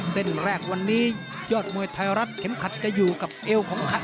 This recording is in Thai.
เส้นแรกวันนี้ยอดมวยไทยรัฐเข็มขัดจะอยู่กับเอวของขัด